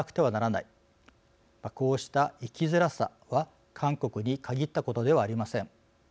こうした生きづらさは韓国に限ったことではありません。